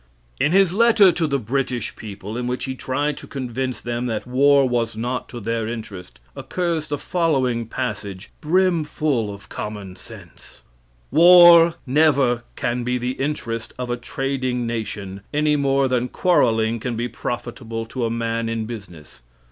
In his letter to the British people, in which he tried to convince them that war was not to their interest, occurs the following passage brimful of common sense: "War never can be the interest of a trading nation any more than quarreling can be profitable to a man in business.